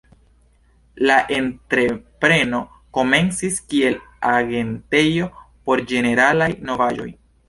La entrepreno komencis kiel agentejo por ĝeneralaj novaĵoj.